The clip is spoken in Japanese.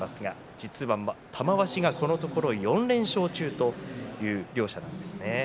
実は玉鷲がこのところ４連勝中という両者なんですね。